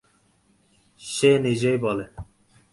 সে নিজেই বলে।